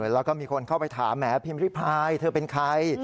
แล้วก็มีคนเข้าไปถามแหมพิมพิพายเธอเป็นใคร